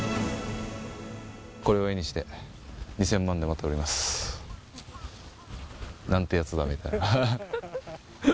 これを絵にして、２０００万でまた売ります。なんてやつだみたいな。